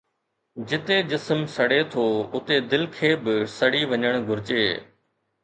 جتي جسم سڙي ٿو اتي دل کي به سڙي وڃڻ گهرجي